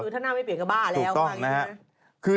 ถ้าหน้าไม่เปลี่ยนก็บ้าแล้ว